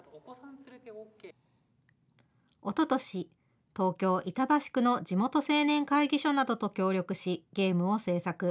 おととし、東京・板橋区の地元青年会議所などと協力し、ゲームを制作。